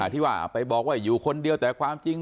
ที่ว่าไปบอกว่าอยู่คนเดียวแต่ความจริง